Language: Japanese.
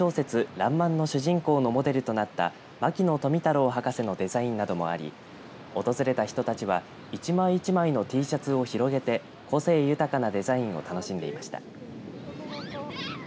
らんまんの主人公のモデルとなった牧野富太郎博士のデザインなどもあり訪れた人たちは一枚一枚のＴシャツを広げて個性豊かのデザインを楽しんでいました。